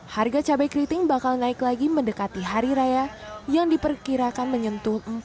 harga cabai keriting bakal naik lagi mendekati hari raya yang diperkirakan menyentuh rp empat puluh lima per kilogram